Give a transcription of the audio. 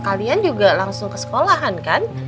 kalian juga langsung ke sekolahan kan